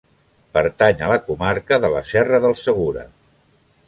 Pertany a la comarca de la Serra del Segura.